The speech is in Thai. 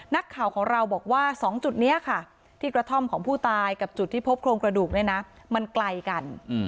นักข่าวของเราบอกว่า๒จุดนี้ค่ะที่กระท่อมของผู้ตายกับจุดที่พบโครงกระดูกเนี่ยนะมันไกลกัน